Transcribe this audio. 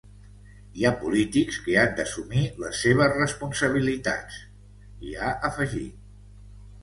Hi ha polítics que han d’assumir les seves responsabilitats, hi ha afegit.